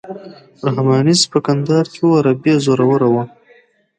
رحماني چې په کندهار کې وو عربي یې زوروره وه.